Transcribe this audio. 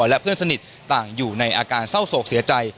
และเพื่อนสนิทต่างอยู่ในอาการเศร้าโศกเสียใจ